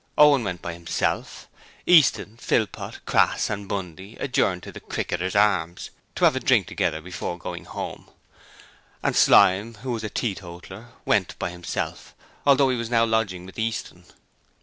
Owen went by himself: Easton, Philpot, Crass and Bundy adjourned to the 'Cricketers Arms' to have a drink together before going home, and Slyme, who was a teetotaler, went by himself, although he was now lodging with Easton.